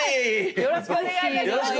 よろしくお願いします。